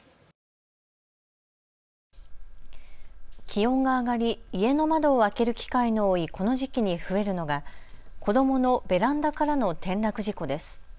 気温が上がり家の窓を開ける機会の多いこの時期に増えるのが子どものベランダからの転落事故です。